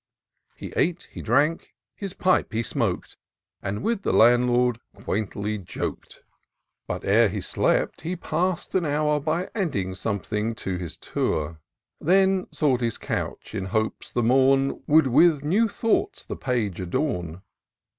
He ate, he drank, his pipe he smok'd, And with the Landlord quaintly jok'd ; But, ere he slept, he pass'd an hour In adding something to his Tour ; Then sought his couch, in hopes the morn Would with new thoughts the page adorn.